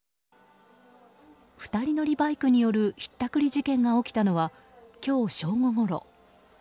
２人乗りバイクによるひったくり事件が起きたのは今日正午ごろ。